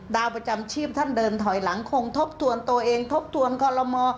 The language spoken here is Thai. ดาวประจำชีพท่านเดินถอยหลังคงทบทวนตัวเองทบทวนคอลโลมอ